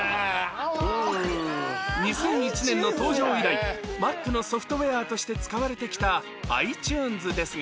２００１年の登場以来 Ｍａｃ のソフトウェアとして使われてきた ｉＴｕｎｅｓ ですが